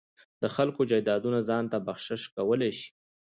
د خلکو جایدادونه ځان ته بخشش کولای شي.